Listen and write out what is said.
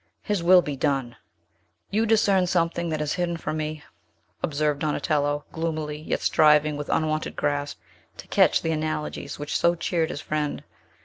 His will be done!" "You discern something that is hidden from me," observed Donatello gloomily, yet striving with unwonted grasp to catch the analogies which so cheered his friend.